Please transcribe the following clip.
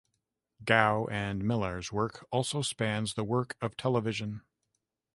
Gough and Millar's work also spans the world of television.